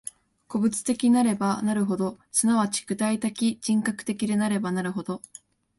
個物的なればなるほど、即ち具体的人格的なればなるほど、